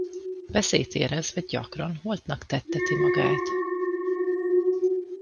Veszélyt érezve gyakran holtnak tetteti magát.